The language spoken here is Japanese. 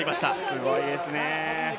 すごいですね。